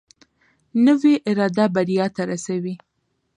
نوې اراده بریا ته رسوي